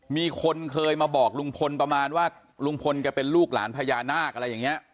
มีคนเคยมาบอกลุงพลประมาณว่าลุงพลแกเป็นลูกหลานพญานาคอะไรอย่างนี้